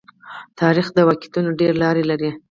تاریخ د واقعیتونو ډېره لار لري.